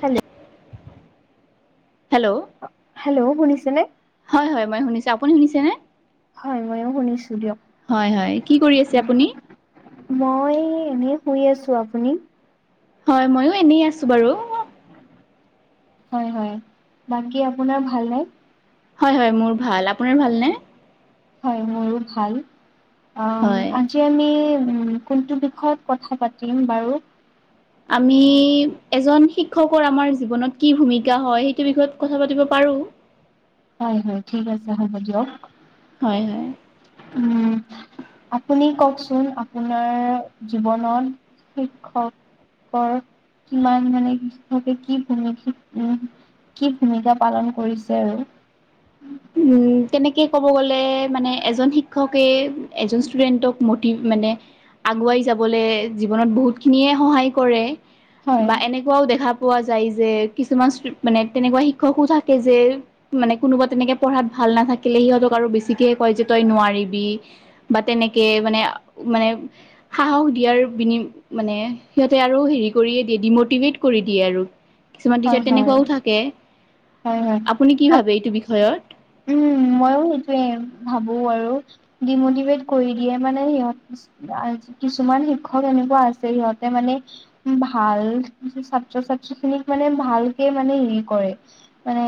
হেল hello. Hello শুনিছে নে? হয়, হয়, মই শুনিছো। আপুনি শুনিছেনে? হয় ময়ো শুনিছো দিয়ক। হয়, হয়। কি কৰি আছে আপুনি? মই এনেই শুই আছো, আপুনি? হয়, মইও এনেই আছো বাৰু। হয়, হয়। বাকী আপোনাৰ ভালনে? হয়, হয় মোৰ ভাল। আপোনাৰ ভালনে? হয় মোৰো ভাল। অ আজি হয় আজি আমি উম কোনটো বিষয়ত কথা পাতিম বাৰু? আমি এজন শিক্ষকৰ আমাৰ জীৱনত কি ভূমিকা হ'য় সেইটো বিষয়ত কথা পাতিব পাৰো। হয়, হয়। ঠিক আছে হ'ব দিয়ক। হয়, হয়। উম। আপুনি কওকচোন আপোনাৰ জীৱনত শিক্ষক কৰ কিমান মানে শিক্ষকে কি কৰে [unintelligible] কি ভূমিকা পালন কৰিছে আৰু। উম, তেনেকে ক'ব গ'লে মানে, এজন শিক্ষকে এজন ষ্টুডেণ্টক মোটিভ মানে আগুৱাই যাবলে জীৱনত বহুতখিনিয়ে সহায় কৰে হয় বা এনে কুৱাও দেখা পোৱা যায় যে, কিছুমান ষ্ট্ৰি- মানে তেনেকুৱা শিক্ষকো থাকে যে মানে কোনোবা তেনেকে পঢ়াত ভাল নাথাকিলে, সিহঁতক আৰু বেছিকে কয় যে তই নোৱাৰিবি বা তেনেকে মানে- মানে সাহস দিয়াৰ বিনি মানে সিহঁতে আৰু হেৰি কৰিয়ে দিয়ে, ডিমোটিভেট কৰি দিয়ে আৰু। কিছুমান হয় টিচাৰ হয়। তেনেকুৱাও থাকে। হয় হয় আপুনি কি আপ ভাৱে এইটো বিষয়ত? উম, মইও সেইটোৱে ভাবো আৰু। ডিমোটিভেট কৰি দিয়ে মানে সিহঁত আ- কিছুমান শিক্ষক এনেকুৱা আছে সিহঁতে মানে ভাল- ছাত্ৰ-ছাত্ৰীখিনিক মানে ভালকে মানে হেৰি কৰে মানে,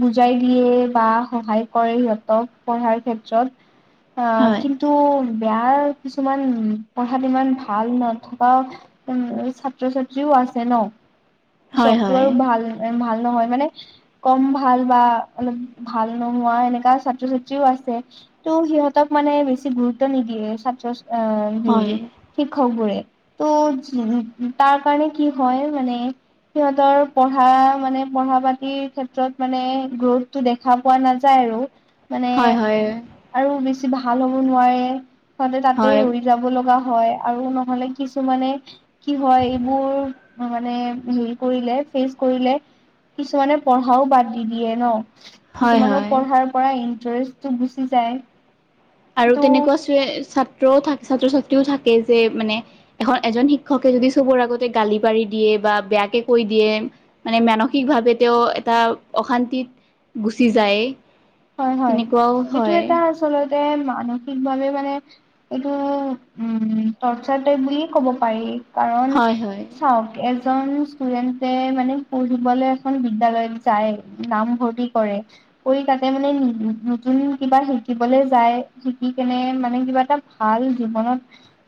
বুজাই দিয়ে বা সহায় কৰে সিহঁতক পঢ়াৰ ক্ষেত্ৰত। অ'- হয় কি ন্তু বেয়া, কিছুমান পঢ়াত ইমান ভাল নথকা অ'- ছাত্ৰ-ছাত্ৰীও আছে ন'? হয় চব্টো হয় আৰু ভাল- ভাল নহয়, মানে কম ভাল বা অলপ ভাল নোহোৱা এনেকা ছাত্ৰ-ছাত্ৰীও আছে। তো সিহঁতক মানে বেছি গুৰুত্ব নিদিয়ে। ছাত্ৰ এ- হয় [unintelligible] শিক্ষকবোৰে। তো [unintelligible] তাৰ কাৰণে কি হয় মানে সিহঁতৰ পঢ়া মানে, পঢ়া-পাতিৰ ক্ষেত্ৰত মানে গ্ৰোথটো দে খা পোৱা নেযায় আৰু। মানে হয় - হয়। আৰু বেছি ভাল হ'ব নোৱাৰে। সিহঁতে তাতে হয় ৰৈ যা ব লগা হ'য়। আৰু নহলে কিছুমানে কি হয়, এইবোৰ মানে হেৰি কৰিলে, ফেচ কৰিলে কিছুমানে পঢ়াও বাদ দি দিয়ে ন'। হয় কিছুমানৰ হয় পঢ়াৰ পৰা ইন্টাৰেষ্টটো গুচি যায়। আৰু তেনেকুৱা ত' ছোৱে- ছাত্ৰও থা- ছাত্ৰ-ছাত্ৰীও থাকে যে মানে এখৰ- এজন শিক্ষকে যদি চবৰ আগতে গালি পাৰি দিয়ে বা বেয়াকে কৈ দিয়ে মানে মানসিকভাৱে তেওঁ এটা অশান্তিত গুচি যায়। হয় - হয়। তেনেকুৱাও এইটো হয় এটা আচলতে মানসিকভাৱে মানে এইটো উম টোৰ্চাৰ টাইপ বুলিয়ে ক'ব পাৰি। কাৰণ হয় হয় চাওঁক, এজন ষ্টুডেন্টে মানে পঢ়িবলৈ এখন বিদ্যালয়ত যায়, নামভৰ্তি কৰে, কৰি তা তে মানে নতুন কিবা শিকিবলৈ যায়। শিকিকেনে মানে কিবা এটা ভাল জীৱনত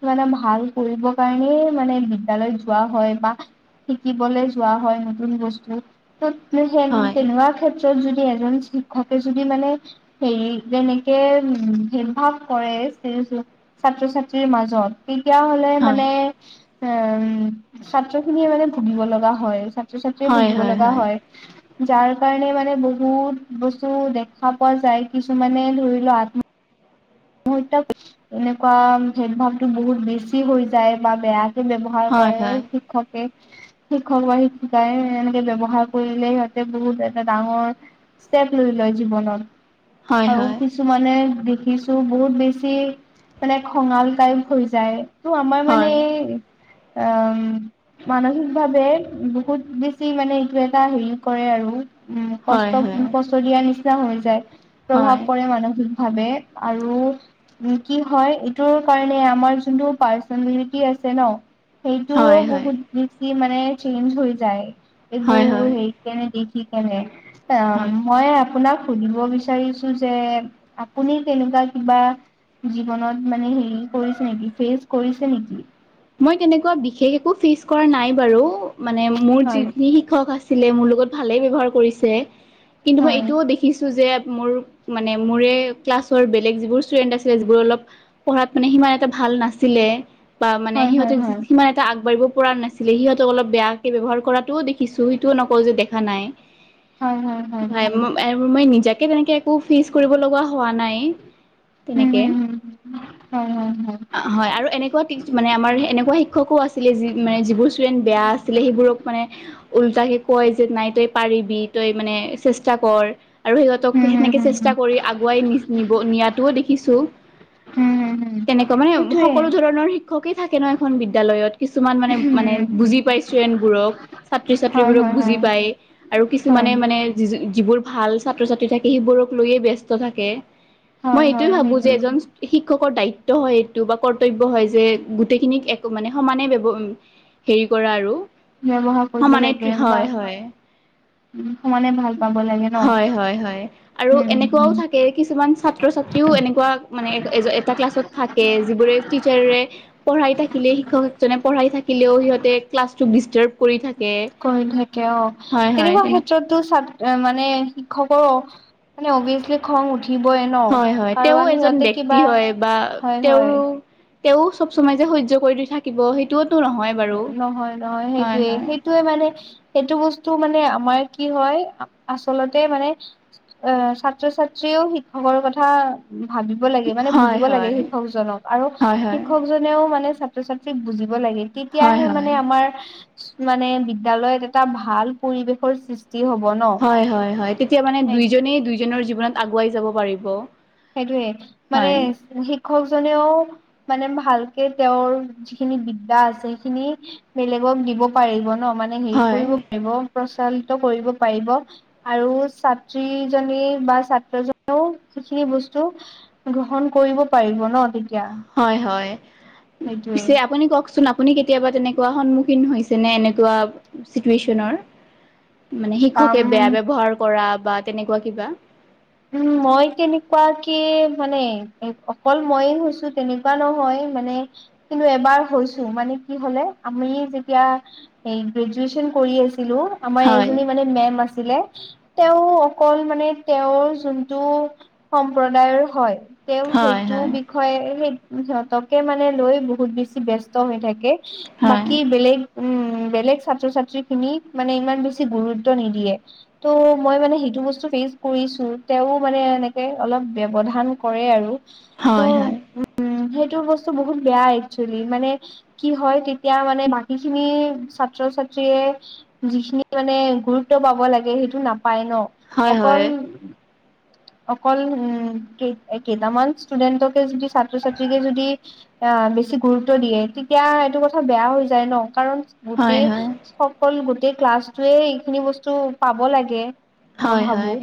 মানে ভাল কৰিব কাৰণেই মানে বিদ্যালয়ত যোৱা হয় বা শিকিবলৈ যোৱা হয় নতুন বস্তু। তো সেই হয় তেনেকুৱা ক্ষেত্ৰত যদি এজন শিক্ষকে যদি মানে হেৰি তেনেকে উম ভেদ-ভাৱ কৰে ছে ছাত্ৰ-ছাত্ৰীৰ মাজত তেতিয়া হ'লে হয় মানে, উম ছাত্ৰখিনিয়ে মানে ভুগিব লগা হয়। ছাত্ৰ-ছাত্ৰীয়ে বুজিব লগা হয়, যাৰ কাৰণে মানে বহুত বস্তু দেখা পোৱা যায়। কিছুমানে ধৰি লওঁ, আত্ম হত্যা। এনেকুৱা ভেদ-ভাৱটো বহুত বেছি হৈ যায়, বা বেয়াকে ব্যৱ হাৰ হয় কৰে হয় শিক্ষক কে। শিক্ষক বা শিক্ষিকাই এনেকে ব্যৱহাৰ কৰিলে সিহঁতে বহুত এটা ডাঙৰ ষ্টেপ লৈ লয় জীৱনত। হয় হয় আৰু কিছুমানে দেখি ছো বহুত বেছি মানে খঙাল টাইপ হৈ যায়। তো আমাৰ মানে হয় উম মানসিকভাৱে বহুত বেছি মানে এইটো এটা হেৰি কৰে আৰু। উম হয় হয় হয় হয় কষ্ট কষ্ট দিয়া নিচিনা হৈ যায়, প্ৰভাৱ পৰে মানসিক ভাৱে- আৰু উম কি হয় এইটোৰ কাৰণে আমাৰ যোনটো পাৰ্চনেলিটি আছে ন। সেইটোও হয় বহুত বেছি মানে চেঞ্জ হৈ যায়, এইবোৰ হয় হয় হেৰি- কেনে দেখি কেনে, এম হয় মই আপোনাক সুধিব বিচাৰো- বিচাৰিছো যে, আপুনি- তেনেকুৱা কিবা জীৱনত মানে হেৰি কৰিছে নেকি ফেচ কৰিছে নেকি? মই তেনেকুৱা বিশেষ একো ফেচ কৰা নাই বাৰু, মানে মোৰ হয় যিখিনি শিক্ষক আছে- ছিলে মোৰ লগত ভালেই ব্যৱহাৰ কৰিছে, কিন্তু মই হয় এইটোও দেখিছোঁ যে মোৰ- মানে মোৰে ক্লাছৰ বেলেগ যিবোৰ ষ্টুডেণ্ট আছিলে যিবোৰ অলপ- পঢ়াত মানে সিমান এটা ভাল নাছিলে, বা মানে হয় সিহঁতে হয় সিমান- এ আগবাঢ়িব পৰা নাছিলে সিহঁতক অলপ বেয়াকে ব্যৱহাৰ কৰাটোও দেখিছো সেইটোও নকওঁ যে দেখা নাই। হয় হয় হয়। মই নিজাকে তেনেকে একো ফিচ কৰিব লগা হোৱা নাই। উম তেনেকে, হম হম হয় হয় হয় হয় আৰু এনেকুৱা- মানে আমাৰ এনেকুৱা শিক্ষকো আছিলে যি মানে যিবোৰ ষ্টুডেণ্ট বেয়া আছিলে সেইবোৰক মানে- উল্টাকে কয় যে নাই তই পাৰিবি তই মানে চেষ্টা কৰ। আৰু সিহঁতক উম হম সেনেকে হম চেষ্টা হম কৰি আগুৱাই নি নিব নিয়াতোও দেখিছো। হম হুম হুম। তেনেকুৱা মানে সকলো ধৰণৰ শি- শিক্ষকে থাকে ন এখন বিদ্যালয়ত, কিছুমান মানে মানে বুজি পাইছো এনবোৰক ছাত্ৰী হয় ছাত্ৰীবোৰক হয় বুজি হয় পায় আৰু হয় কিছুমানে মানে- যি যিবোৰ ভাল ছাত্ৰ ছাত্ৰী থাকে সেইবোৰক লৈয়ে ব্যস্ত থাকে। মই হয় এইটোৱে হয় ভাবো যে সেইটোৱে এজন শিক্ষকৰ দায়িত্ব হয় এইটো বা কৰ্তব্য হয় যে। গোটেইখিনিক একো মানে সমানে হেৰি কৰে আৰু। ব্যৱহাৰ কৰিব সমানে লাগে বা হয় হয়। সমানে ভাল পাব লাগে ন হয় হয় আৰু উম এনেকুৱাও উম থাকে, কিছুমান ছাত্ৰ ছ- টিও এনেকুৱা মানে এ এটা ক্লাছত থাকে যিবোৰে টিচাৰ- পঢ়াই থাকিলে শিক্ষক এজনে পঢ়াই থাকিলেও সিহঁতে ক্লাছ টো ডিষ্টাৰ্ব- কৰি থাকে কৰি থাকে অঁ, হয় হয় তেনেকুৱা তেনে ক্ষেত্ৰত- ত চাট মানে শিক্ষকৰ মানে অভিয়াচলি খং উঠি- উঠিইব ন। হয় হয় তেওঁ কাৰণ এজন সিহঁতে ব্যক্তি কিবা হয় বা হয় হয় তেওঁৰো। তেওঁ চব চমাইত যে সহ্য কৰি দি থাকিব সেইটোৱে টো নহয়। বাৰু নহয় নহয় হয় সেইটোৱে, হয় সেই- যে মানে সেইটো বস্তু মানে আমাৰ কি হয় আচলতে মানে- এ ছাত্ৰ ছাত্ৰীও শিক্ষকৰ কথা- ভাবিব লাগে মানে হয় বুজিব লাগে হয় শিক্ষকজনক, আৰু হয় হয় শিক্ষকজন- মানেও ছাত্ৰ ছাত্ৰীক বুজিব লাগে হয় তেতিয়াহে হয় মানে আমাৰ- মানে বিদ্যালয়ত এটা ভাল পৰিৱেশৰ সৃষ্টি- ষ্টি হ'ব ন। হয় হয় হয় তেতিয়া মানে সেই দুইজনে দুইজনৰ জীৱনত আগুৱাই যাব পাৰিব। সেইটোয়ে, মানে হয় শিক্ষকজনেও- মানে ভালকে তেওঁৰ যিখিনি বিদ্যা আছে, সেইখিনি- বেলেগক দিব পাৰিব ন, মানে হেৰি হয় কৰিব পাৰিব প্ৰচলিত কৰিব পাৰিব। আৰু ছাত্ৰী জনী বা ছাত্ৰজনেও- খিনি বস্তু গ্ৰহণ কৰিব পাৰিব ন তেতিয়া। হয় হয়, সেইটোৱে আপুনি কওকচোন- আপুনি কেতিয়াবা তেনেকুৱা সন্মুখীন হৈছে নে এনেকুৱা চিতুয়েচনৰ। মানে শিক্ষকে বেয়া পাম ব্যৱহাৰ কৰা বা তেনেকুৱা কিবা। উম মই তেনেকুৱা কে মানে অকল মইয়ে হৈছোঁ তেনেকুৱা নহয় মানে, কিন্তু এবাৰ হৈছোঁ মানে কি হলে আমি যেতিয়া। হেই গ্ৰেজুৱেচন কৰি আছিলোঁ। আমাৰ হয় এজনী মানে মেম আছিলে তেওঁ অকল মানে তেওঁৰ যোনটো সম্প্ৰদায়ৰ হয় তেওঁ সেইটো বি হয় সেই সিহঁতকে মানে লৈ বহুত বেছি ব্যস্ত হৈ থাকে হয় বাকী বেলেগ উম বেলেগ ছাত্ৰ ছাত্ৰী খিনিক মানে ইমান বেছি গুৰুত্ব নিদিয়ে টো' মই মানে সেইটো বস্তু ফেচ কৰিছোঁ। তেওঁ মানে এনেকে অলপ ব্যৱধান কৰে আৰু হয় হয় হয় ত' উম সেইটো বস্তু বহুত বেয়া একচুৱেলি মানে কি হয় তেতিয়া মানে বাকী খিনি ছাত্ৰ ছাত্ৰীয়ে যিখিনি মানে গুৰুত্ব পাব লাগে সেইটো নাপায় ন অকল হয় অকল উম কেইটামান ষ্টুডেণ্টকে যদি ছাত্ৰ ছাত্ৰীক যদি আহ বেছি গুৰুত্ব দিয়ে তেতিয়া এইটো কথা বেয়া হৈ যায় ন কাৰণ হয় গোটেই হয় সকল গোটেই ক্লাছটোৱে এইখিনি বস্তু পাব লাগে। মই হয় ভাবো হয়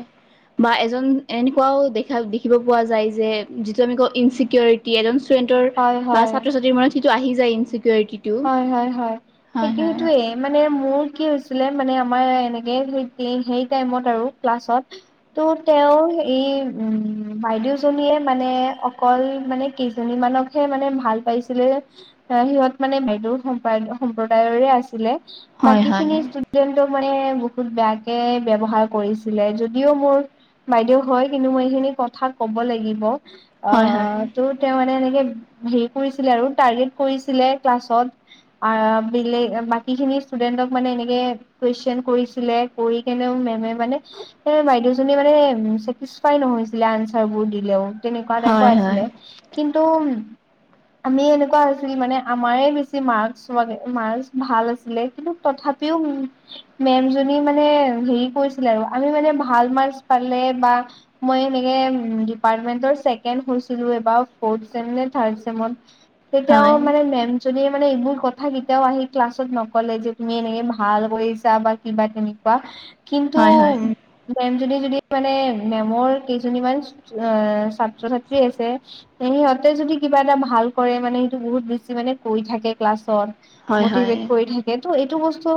বা এজন এনেকুৱাও দেখা দেখিব পোৱা যায় যে যিটো আমি কওঁ ইনচিক এজন ষ্টুডেন্টৰ হয় বা হয় ছাত্ৰ ছাত্ৰীৰ মনত সিটো আহি যায় ইনচিকিউৰিটি হয় হয় হয় সেইটো টোয়ে মানে মোৰ কি হৈছিলে মানে আমাৰ এনেকে হেই টাইমত আৰু ক্লাছত ত' তেওঁ এই উম বাইদেউজনীয়ে মানে অকল মানে কেইজনীমানক, হে মানে ভাল পাইছিলে সিহঁত মানে বেদুৰ সম্প সম্প্ৰদায়ৰে আছিলে হয় বাকী খিনি দিনটো মানে বহুত বেয়াকে ব্যৱহাৰ কৰিছিলে যদিও মোৰ বাইদেউ হয় কিন্তু মই এইখিনি কথা কব লাগিব অ হয় হয় হয় তো তেওঁ মানে এনেকে হেৰি কৰিছিলে আৰু টাৰ্গেট কৰিছিলে ক্লাছত অ বেলেগ বাকী খিনি ষ্টুডেন্টক মানে এনেকে কুৱেশন কৰিছিলে কৰি কেনেও মেমে মানে এ বাইদেউজনী মানে চেটিছফাই নহৈছিলে আনচাৰ বোৰ দিলেও তেনেকুৱা টাইপৰ হয় হয় হয়। আছিলে কিন্তু উ আমি এনেকুৱা হৈছিল মানে আমাৰে বেছি মাৰ্ক্স মাৰ্ক্স ভাল আছিলে কিন্তু তথাপিও মেমজনী মানে হেৰি কৰিছিলে আৰু আমি মানে ভাল মাৰ্ক্স পালে বা মই সেনেকে দিপামেনত চেকেন হৈছিলোঁ এবাৰ ফৌৰট ছেম থাৰ্ট ছেমত। তেতিয়াও হয় হয় মানে মেম জনীয়ে মানে এইবোৰ কথা কেইটাও আহি ক্লাছত নকলে যে তুমি এনেকে ভাল কৰিছা বা কিবা কিবি কিন্তু হয় মেম যদি মানে মেমৰ কেইজনীমান ছাত্ৰ ছাত্ৰী আছে সিহঁতে যদি কিবা এটা ভাল কৰে মানে সেইটো বহুত বেছি মানে কৈ থাকে ক্লাছত হয় মটিভেট কৰি হয় থাকে ত' এইটো বস্তু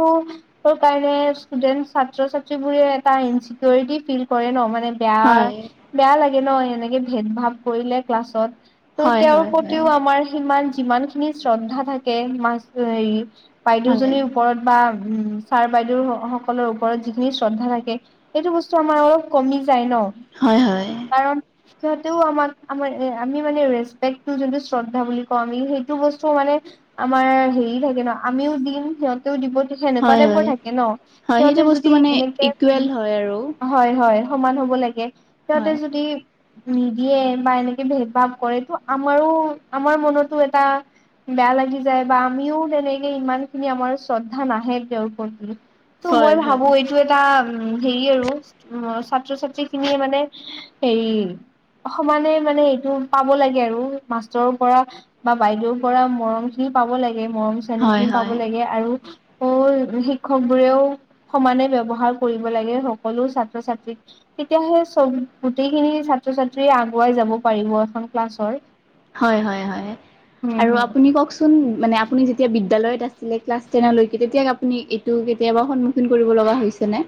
কাৰণে ষ্টুডেন্ট ছাত্ৰ ছাত্ৰী বোৰে এটা ইনচিকিউৰিটি ফিল কৰে ন মানে বেয়া বেয়া লাগে ন এনেকে ভেদ ভাৱ কৰিলে ক্লাছত ত' হয় হয় তেওঁৰ হয় প্ৰতিও হয়। আমাৰ সিমান যিমান খিনি শ্ৰদ্ধা থাকে মা হেই হয় বাইদেউজনীৰ ওপৰত বা উম ছাৰ বাইদেউ সকলৰ ওপৰত যিখিনি শ্ৰদ্ধা থাকে এইটো বস্তু আমাৰ অলপ কমি যায় ন হয় হয় কাৰণ সিহঁতেও আমাক আমাৰ আমি মানে ৰেচপেক্ যোনটো শ্ৰদ্ধা বুলি কওঁ আমি সেই টো বস্তু মানে আমাৰ হেৰি থাকে ন আমিও দিম সিহত দিব সেনেকুৱা টাইপৰ হয় থাকে ন হয় সেইটো সিহঁতে বস্তু যদি মানে এনেকে ইকুৱেল হয় আৰু হয় হয় সমান হ'ব লাগে সিহঁতে হয় যদি নিদিয়ে বা এনেকে ভেদ ভাৱ কৰে তটো আমাৰো আমাৰ মনতো এটা বেয়া লাগি যায় বা আমিও তেনেকে ইমান খিনি আমাৰ শ্ৰদ্ধা নাহে তেওঁৰ প্ৰতি ত মই হয় হয় ভাবো এইটো এটা উ হেৰি আৰু উ ছাত্ৰ ছাত্ৰী খিনিয়ে মানে এই সমানে মানে এইটো পাব লাগে আৰু মাষ্টৰৰ পৰা বা বাইদেউ পৰা মৰম খিনি পাব লাগে মৰম চেনেহ হয় খিনি পাব হয় লাগে। আৰু ঔল শিক্ষক বোৰেও সমানে ব্যৱহাৰ কৰিব লাগে সকলো ছাত্ৰ ছাত্ৰীক তেতিয়াহে চব গোটেইখিনি ছাত্ৰ ছাত্ৰীয়ে আগুৱাই যাব পাৰিব এখন ক্লাছৰ হয় হয় হয় উম আৰু আপুনি হুম কওকচোন মানে আপুনি যেতিয়া বি- দ্যালয়ত আছিলে ক্লাছ টেনলৈকে তেতিয়া আপুনি এইটো কেতিয়াবা সন্মুখীন কৰিব লগা হৈছে নে?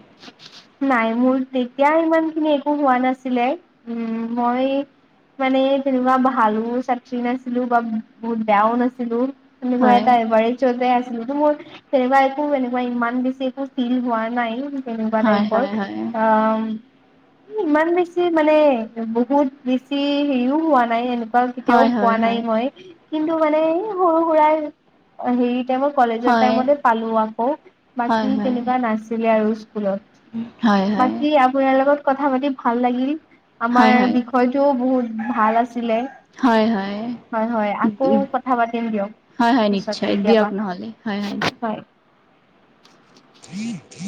নাই মোৰ তেতিয়া ইমান খিনি একো হোৱা নাছিলে উম মই মানে তেনবা ভালো ছাত্ৰী নাছিলো বা বহুত বেয়াও নাছিলো। এনেকুৱা হয় এটা এবাৰী যতে আছিলো মোৰ তেনেকুৱা একো এনেকুৱা ইমান বেছি একো ফিল হোৱা নাই। এনেকুৱা হয় টাইপৰ হয় হয় আম ইমান বেছি মানে বহুত বেছি হেৰিও হোৱা নাই এনে বা কেতিয়াও হয় পোৱা হয় নাই হয় মই কিন্তু মানে সৰু সুৰা হেৰি তে মই কলেজৰ হয় টাইমতে পালো আকৌ হয় বাকী হয় তেনেকুৱা নাছিলে আৰু স্কুলত। হয় হয় হয় বাকী আপোনাৰ লগত কথা পাতি ভাল লাগলি। আমাৰ হয় বিষয়টোও বহুত ভাল আছিলে। হয় হয় হয় হয় আকৌ কথা পাতিম দিয়ক। হয় হয় পিছত নিশ্চয় কেতিয়াবা দিয়ক নহ'লে হয় দিয়ক হয়। [inaudible]